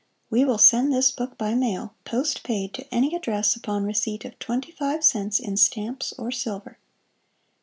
We will send this book by mail, postpaid, to any address upon receipt of =25 cents= in stamps or silver.